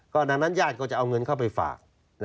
ดังนั้นญาติก็จะเอาเงินเข้าไปฝาก